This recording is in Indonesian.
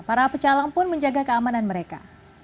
para pecalang pun menjaga keamanan mereka